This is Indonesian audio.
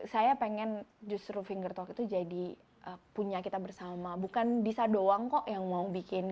saya ingin justru fingertop itu jadi punya kita bersama bukan disa doang kok yang mau bikin